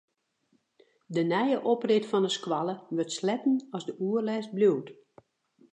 De nije oprit fan de skoalle wurdt sletten as de oerlêst bliuwt.